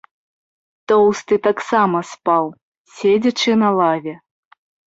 Тоўсты таксама спаў, седзячы на лаве.